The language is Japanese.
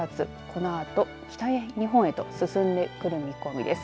このあと、北日本へと進んでくる見込みです。